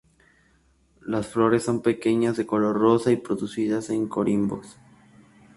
Las flores son pequeñas de color rosa y producidas en corimbos.